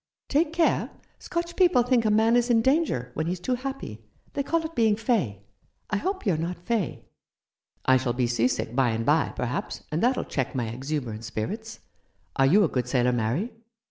"Take care. Scotch people think a man is in danger when he's too happy. They call it being fey. I hope you're not fey." "I shall be sea sick by and by, perhaps, and that'll check my exuberant spirits. Are you a good sailor, Mary?"